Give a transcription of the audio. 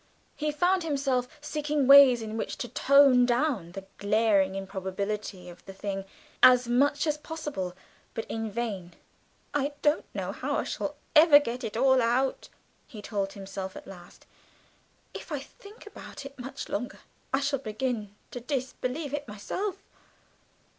He found himself seeking ways in which to tone down the glaring improbability of the thing as much as possible, but in vain; "I don't know how I shall ever get it all out," he told himself at last; "if I think about it much longer I shall begin to disbelieve in it myself."